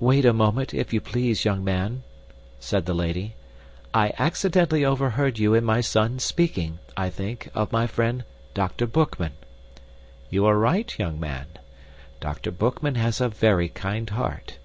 "Wait a moment, if you please, young man," said the lady. "I accidentally overheard you and my son speaking, I think, of my friend Dr. Boekman. You are right, young man. Dr. Boekman has a very kind heart.